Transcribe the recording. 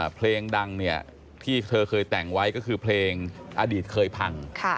เพลงดังเนี่ยที่เธอเคยแต่งไว้ก็คือเพลงอดีตเคยพัง